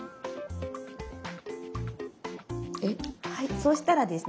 そうしたらですね